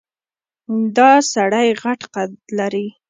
دا سړی غټ قد لري.